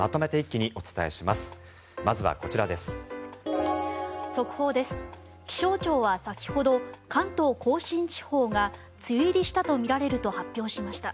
気象庁は先ほど関東・甲信地方が梅雨入りしたとみられると発表しました。